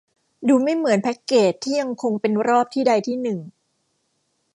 ดูไม่เหมือนแพคเกจที่ยังคงเป็นรอบที่ใดที่หนึ่ง